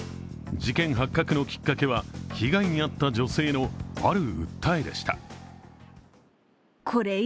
事件発覚のきっかけは被害に遭った女性のある訴えでした。